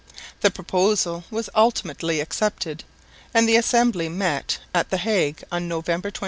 The proposal was ultimately accepted, and the Assembly met at the Hague on November 28.